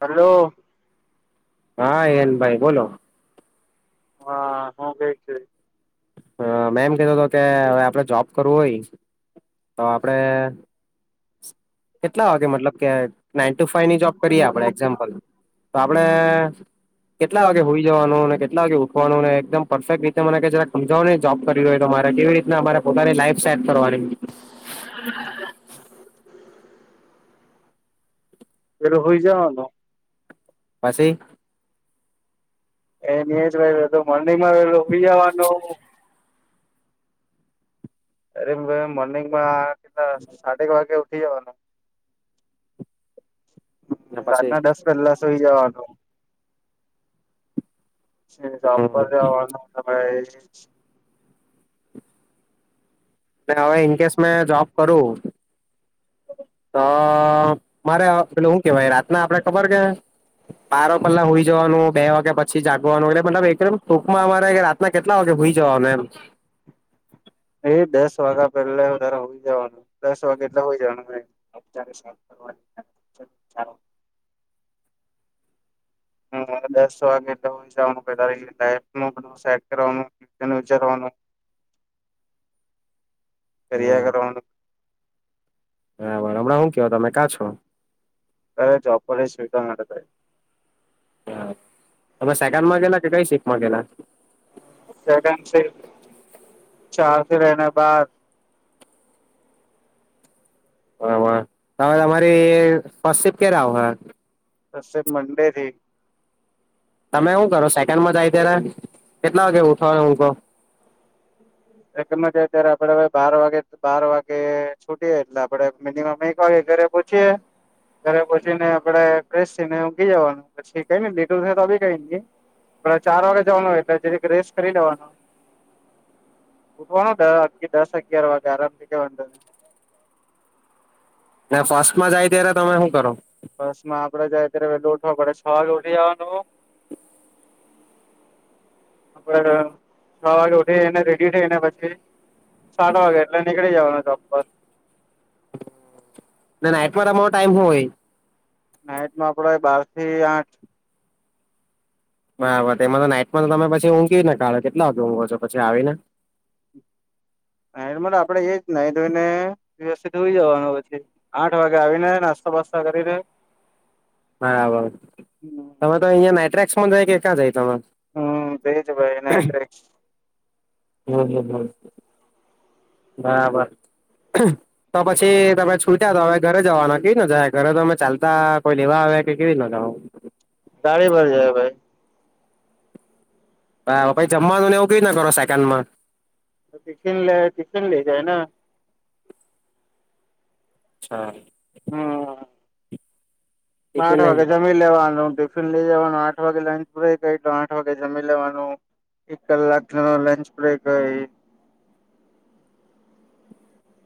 Hello. હા, હિયન ભાઈ બોલો. હા, હું કેય છે? હ મેમ કધો હતો કેવે આપડે જોબ કરવું હોય તો આપડે કેટલા વાગે મતલબ કે નાઈન ટુ ફાઈવ ની જોબ કરીએ આપડે એક્ઝામ્પલ તો આપણે કેટલા વાગે હોઈ જવાનું અને કેટલા વાગે પરફેક્ટ રીતે મ જ સમજાવો જોબ કરી હોય તો મારે કેવી રીતના મારે પોતાની લાઈફ સેટ કરવાની એલો હો જાાવનો પાછી એ જ નહી માલો મીજવાનો અરે મોર્નિંગમાં સાડક વાગ થવાના ને પછી રાતના દસ પહેલા સુઈ જવાનું એ હમ સાપર જવાનુંય [inaudible] હવે ઇન કેસ મેં જોબ કરું તો મારે પટલે શું કેવાય રાતના આપડે ખબર કે બારો પહેલા હોઈ જવાનું બે વાગે પછી જાગવાનું એટલે એકમ ટૂંકમાં અમારે રાતના કેટલા વાગે હોઈ જવાને એમ એ દસ વાગ્યા પેલા તારે હોય જવાનું દસ વાગે એટલા હોય જવાનું અત્યારે સા કરવાનીાલો હ દસ વાગે એટલે જવાનું લે કરવાનું વિચારવાનું ફરી હમ કરરનું બરાબર હમણા શું કે તમે ક્યા છો કરે જબ કરી સ્વીકારના ત હા સેકન્ડમાંગેલા કે કઈ શી મગલા સેકન્ડ ચારથી રહેના બાદ હબ હવે તમારી સ્પ કે્યારે હ તે મંડેથી તમે એવું કરો સેકન્ડમાં જ કેરા કેટલા વાગે ઉઠોય હું તો ત્યારે આપે બાર વાગે બાર વાગે છૂટીએ એટલે આપણે મિનિમમ એક વાગે ઘરે પહચીએે ઘરે પહચીને આપે ફેશ થઈને ઉઊગી જવાનું પછી કઈ લીું તોી કઈ ચાર વાગે જવાનું હોય એટલે જે રી રેસ્ટ કરી લેવાનું ઉઠવાનું દસ અગિયાર વાગે આરામથી કેવા ના ફર્સ્ટમાં જાય ત્યારે તમે શું કરો બસમાં આપડે જાય ત્યારે વેું ઉઠવા પડે છ વાગે ઉઠી જવાનું આપ છ વાગે ઉઠીને રેડી થઈને પછી સાડા વાગે એટલે કે જવાના ટર ના ના એટવા અમારો ટાઈમ હોય નાઇટમાં આપડ બાર થી આઠ બરાબર તેમાં તો નાઈટમાં તો તમે પછી ઊંઘને કાળો કેટલા વાગે ઊંઘો છો પછી આવી ને નાઈટમાં આપડે એજ નાઈ ધોઈને વ્યવસ્થિત હુઈ જવાનું પછી આઠ વાગે આવીને નાસ્તા પાસ્તા કરી રે બરાબર તમે તો અહિયાં નાટ્રે ને જાય કે ક્યાં જાય ત તમામે હમ બેજ ભાઈ એનત હમ હમ હમ બરાબર ત પછી તમે છૂટ્યા તો હવે ઘરે જવાનું કેવી ના જાય ઘરે તોમે ચાલતા કોઈ લેવા આવ કે કેવી ર ના જાવ તાડી ભર જાય ભાઈ હા પછી જમવાનુંને એવું ક ના કરો સેકન્ડ માં ટિફન લે ટિશન લે જાય અ્છા હમ ટિફિન લઈ નાડવા જાવ જમીન લેવા ઉ લઈ જવાનું આઠ વાગે લંચ બ્રેક હઈ તો આઠ વાગે જમી લેવાનું એક કલાકનો લંચ બ્રેક હઈ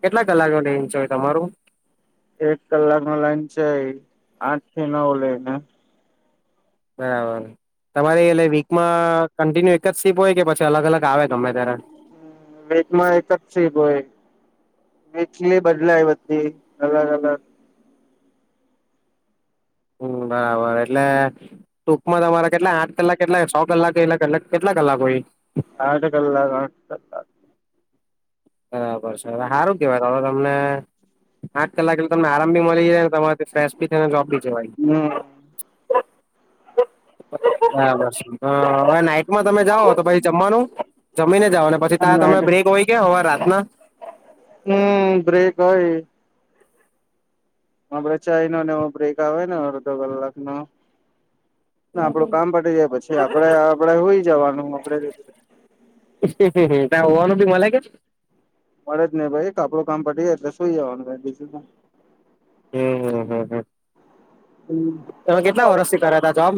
કેટલા કલાકો ને ઇંચો તમારું એક કલાક નો લાઈન છે આઠ થી નવ લઈને બરાબર તમારે એ વીકમાં કન્ટિન્યુ સીપ હોય કે પછ અલગ અલગ આવે ગમે ત્યારે વચમાં એક જ છે ભય એટલી બદલાઈ બધી અલગ અલગ હમ બરાબર એટલે ટૂંકમાં તમારા કેટલા આઠ કલાક કેટલા સો કલાક એટ કેટલા કલાકોય કલાક આઠ કલાક હરાબ હવે સારું કેવા તમને આઠ કલાક એટલે તમને આરામ ભી મળી જાયને તમારે ફેશ ભી થને જોબ બી જવાય હમ બરાબર હવે નાઈટમાં તમે જાઓ તો પછી જમવાનું જમીને ઓ અને પછી ત્યાં તમે બ્રેકય કે હવા રા ના હમ બ્રેક હોય ડ ચાઈ નને એ બ્રેક આવે ને અડધો કલાકનોો ના આપડું કામ પટી જાય પછી આપડે આપડે હોય જવાનું આપડે રી ક [unintelligible] પડે જ નહી ભાઈ આપડું કામ પડી જાય એટલે સુઈ જવાનું હમ હમ હમ હમ. [inaudible] તમે હ કેટલા વર્ષથી કર્યા હતા જોબ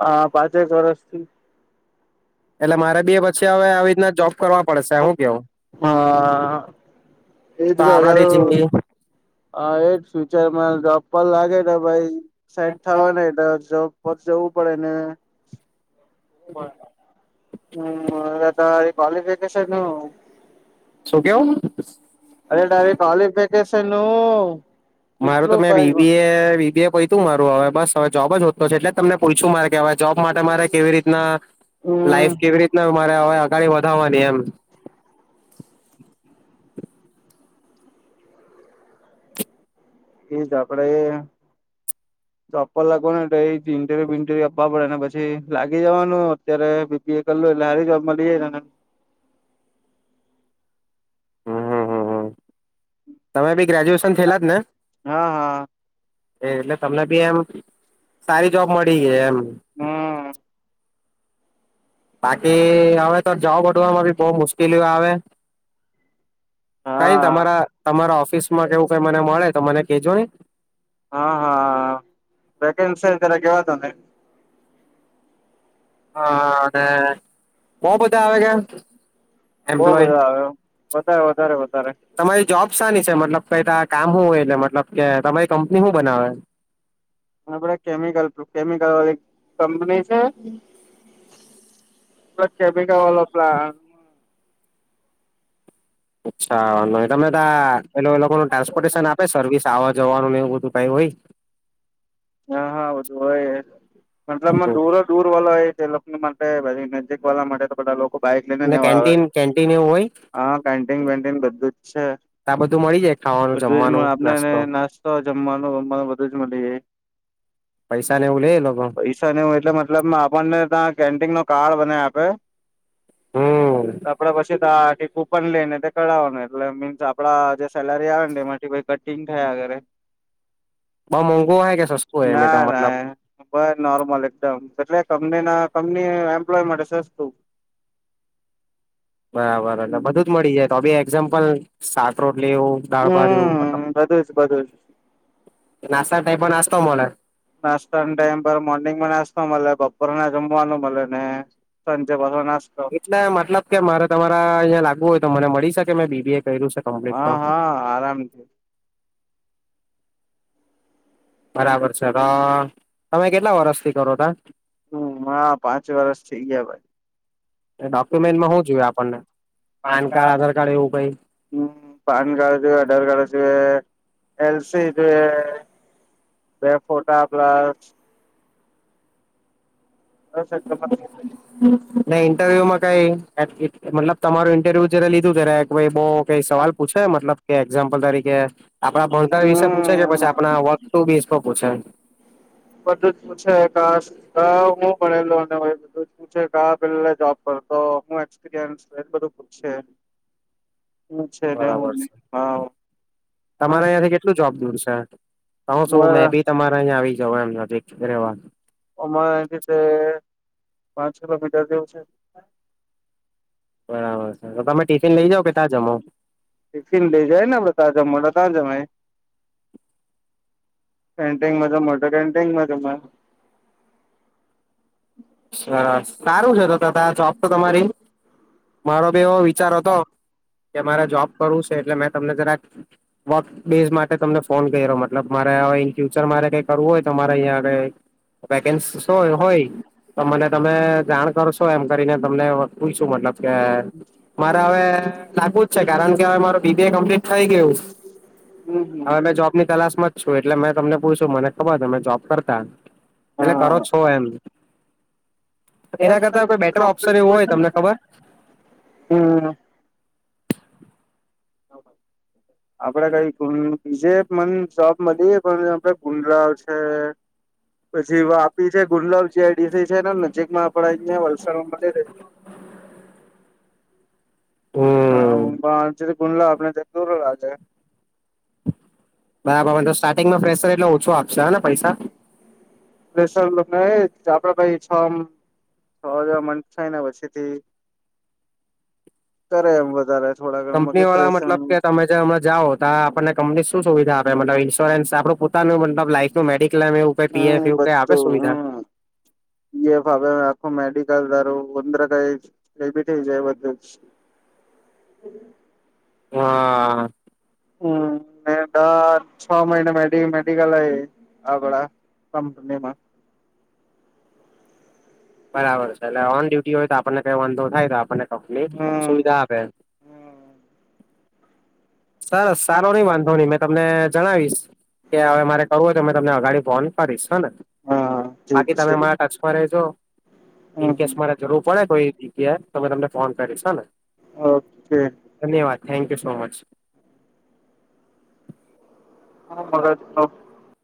હા પાંચેક વર્ષથી એટલે હા મારે બી પછી હવે આવી રીતના જોબ કરવા પડશે હું કેવું એજ તો અગર આપડાથી જિંદગી હા એ જ ફ્યુચરમાં જો પણ લાગે ને ભાઈ સેટ થવા ન એટલે જવું પડે અને બરાબ હમ ક્વલીિફિકેશન કેવું? શું કેવું? અરે તારી કોલીફીકેશન? માર તો મે બીબીએ પયતું મારું હવે બસ હવે જોબ જ હોતો છે એટલે તમને પૂલછું મારે કેવા જોબ માટે મારે કેવી રીતના હમ્મ લાઈફ કેવી રીતના હવે અગડી વધાવાની એમ એ જ આપ આપડે એ જોન પર લાગવાનું એટલે એ જ આપવા પડેને પછી લાગી જવાનું અત્યારે બીપીએ કરું એટલે હારી જોબમાં લી જાયને હમ હમ હમ હમ. તમે ભી ગ્રેજ્યુએશન થયેલા જ ને? હા હા એ એટલે તમને બી એમ સારી જોબ મળી ગઈ એમ. [unintelligible] હમ બાકી તો હવે જોબ હોધવામાં બી બહુ મુશ્કેલીઓ આવે. કઈ હા તમારા તમારા ઓ માં કેવું ક મને મળે તો મને કહેજો ને. હા હા ત્યારે કેવાતો ને હા અવે બહુ બધા આવે છે? બહવ બધો આવ્યો. વધ વધારે વધ તમારી જોબ શાની? મતલબ ક કામ શું હોય એટલે મતલબ કે તમારી કંપની હું બનાવે? ધ કેમિકલ કેમિકલ વાળી કંપની છે. કેબ કવાલો પ્લા અચ્છા તમે ત પે એ લોકોનું ટ્રાન્સપોર્ટેશન આપે સર્વિસ આવવા જવાનું એવું બધું સા હોહી હા હા બધું હોય મતલબમાં દૂરો દૂર વાળ હોય છે લોકો માટે મેજીિક વાળલા માટે તો બધા લોકો બાઈક ને લઈનેવા આવે કેન્ટીન કેન્ટીન એવું હોય હા કેન્ટીન વેન્ટીન બધું જ છે આ બધું મળી જાય ખાવાનું બધું જ જમવાનું આપને નાસ્તો જમવાનુંમવાનું બધું જ મળી જાય પૈસા ને એવું લે એ લોકો પૈસા ને હું એટલે મતલબ આપણને ત પેિંગ નો કાર્ડ બને આપે હમ આપડા પાછી તો કુપન લઈ ને તે કરઢાવવાનું એટલે મીન્સ આપડા જે સેલરી આવે ને એમાંથી કટિંગ થયા અગરે બ મંગુ હાય કે સ ના ના બસ નોર્મલ એકદમ એટલે કંપની કંપની એમ્પ્લોય માટે સસ્તું બરાબર એટલે બધું જ મળી જાય તો બી એક્ઝામ્પલ શાક રોટલી એવું દાળ ભાત એવું મતલબ હમ બધું છે બધું નાસ્તા ટાઈપ પણ નાસ્તો હો મરા નાસ્તા ટાઈમ પર મોર્નિંગમાં નાસ્તો મ બપોર ના જમવાનું મ સાંજે પાછ નાસ્તો એટલે મતલબ કે મારે તમારે અહીંયા લાગવુ હોય તો મને મળી મેં બીબી કર્યું છે ક તો હા હા આરામથી બરાબર છે તો તમે કેટલા વરષથી કરો તા હમ હા પાંચ વર્ષ થઈ ડોક્યુમેન્ટમાં હું જોયું આપણને પાન કાર્ડ ગયા આધાર કાર્ડ એવું કઈ હમ પાન કાર્ડ આધાર કાર્ જોએ એલસી જોએ બે ફોટા પ્લસ બસ એટલું હમ ના ઇંન્ટરવ્યુમાં કઈ મતલબ તમારું ઇન્ટરવ્યુ જયારે લીધું ત ભાઈ બહ કઈ સવાલ પૂછે મતબ ક કે એક્ઝામ્પલ તારીખે આપડા ભણતર વિશે પૂછે છે પછી આપણા વસ્તુ પૂ છે બધું જ પૂછે હું ભણેલુંધ પૂ પે જોબ કરતો એપરયસ બું પૂછ બરાબર છે તમારા અંથી કેટલું અમારે જોબ દૂર છે તો છું મે ભી તમારા અં આવી જવા એમવા આમાં એ રીતે પાંચ કિલો મીટર જેવું છે બરાબર છે તો તમે ટિફિન લઈ જાવ કે ત્યાં જમો ટિફિન લઇ જાય ને આપડે તાજા મળ જમા કેન્ટંગમાં જમ તો કેન્ટંગમાં જ સારું છે તો ત જોબ તો તમારી મારો એવો વિચાર હતો કે મારે જોબ કરવું છે એટલે મે તમે જરા વર્ક બેઝ માટે તમને ફોન કર્યો મતલબ મારે ઇન ફ્યુચર મારે કઈ કરવું હોય તો મારે અહીંયા આગ વેકન્સ સોય હોય તો મને તમે જાણ કરશો એમ કરીને તમને પૂ શું મતલબ મારે હવે લાગું જ છે કારણ કે હવે માર બીબી એ કમ્પ્લીટ થઈ ગયું હમ હમ હવે મે જોબની તલાશમાં શું એટલે મેં તમને પૂછું મને ખબર મેં જોબ કરતા એટલે કરો છો એમ [unintelligible] એ એના કરતા કોઈ બેટર ઓપ્શન એવું હોય તમને ખબર હમ [inaudible] આપડે કઈ બીજે મન જોબ મળીએ પણ આપડ ગુંડરાવ છે પછી વાપી છે ગુલબ જેસી છે ને નજીકમાં આપ વલસાડમાં જ ર હમ હ ગુલા આપડે જતો લયોૂ આજે બરાબર મ તો સ્ટાર્ટિંગમાં પેશર એટલે ઓછો આપશે હને પૈસા આપડ ભાઈ છ [unintelligible] પછીથી કરે એમ વધારે થોડા ઘણું કંપની વાળા ડિપ્રેશન મતલબ કે તમે જે હમણા જાઓ તો આપણને કંપની શું સુવિધા આપ ન્સ્યોરન્સ આપ લાઈ નુ મેક્લ એવું હમ પીએફ એવું કઈ આવે બધું સુવિધા હમ એ ભાવે આખું મેડિકલ ઉંદર કઈ બી થઈ જાય બધું જ હા હમ છ મહિના મે મેડિકલ આગળ કપનીમાં બરાબર છે એટલે ઓન ડ્યુટી હોય તો આપણને કઈ વાંધો થાય તો આપને ચોકલેટ હમ સુુવિધા હમ આપે સરસ સારો નઈ વાંધો નહી મેં તમને જણાવીશ કે હવે મારે કરવું હોય તો મેં તમને અઘાડી ફોન કરીશ હ ને હા ઠીક બાકી છે તમે મારા ટચમાં રેજો હમ ઇનકેસ મારે જરૂર પડે કોઈ જગ્યાએ તો તમને ફોન કરીશ હા ને ઓકે ધન્યવાદ થેન્ક યુ સો મચ હા મજ જ